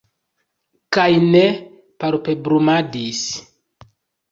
Kaj ne palpebrumadis.